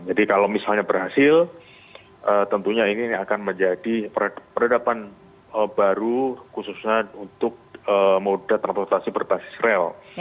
jadi kalau misalnya berhasil tentunya ini akan menjadi peradaban baru khususnya untuk moda transportasi berbasis rel